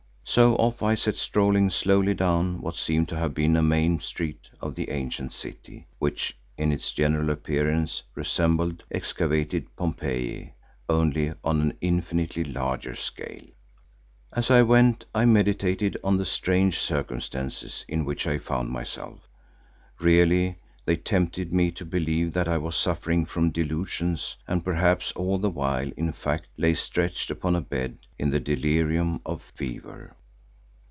So off I set strolling slowly down what seemed to have been a main street of the ancient city, which in its general appearance resembled excavated Pompeii, only on an infinitely larger scale. As I went I meditated on the strange circumstances in which I found myself. Really they tempted me to believe that I was suffering from delusions and perhaps all the while in fact lay stretched upon a bed in the delirium of fever.